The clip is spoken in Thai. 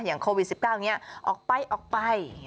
อย่างโควิด๑๙เนี่ยออกไปออกไป